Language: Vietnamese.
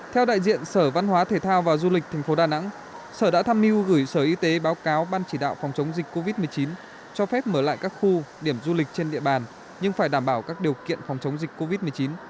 theo đại diện sở văn hóa thể thao và du lịch tp đà nẵng sở đã tham mưu gửi sở y tế báo cáo ban chỉ đạo phòng chống dịch covid một mươi chín cho phép mở lại các khu điểm du lịch trên địa bàn nhưng phải đảm bảo các điều kiện phòng chống dịch covid một mươi chín